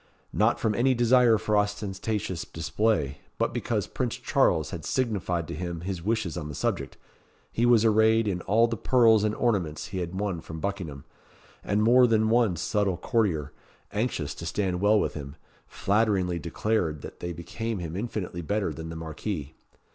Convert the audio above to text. Not from any desire for ostentatious display, but because Prince Charles had signified to him his wishes on the subject, he was arrayed in all the pearls and ornaments he had won from Buckingham; and more than one subtle courtier, anxious to stand well with him, flatteringly declared that they became him infinitely better than the Marquis.